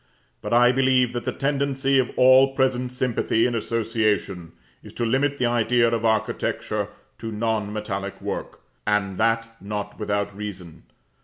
But I believe that the tendency of all present sympathy and association is to limit the idea of architecture to non metallic work; and that not without reason.